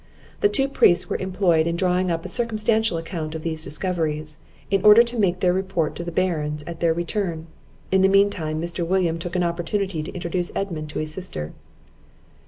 The two priests were employed in drawing up a circumstantial account of these discoveries, in order to make their report to the Barons at their return. In the mean time Mr. William took an opportunity to introduce Edmund to his sister.